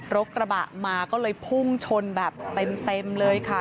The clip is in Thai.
รถกระบะมาก็เลยพุ่งชนแบบเต็มเลยค่ะ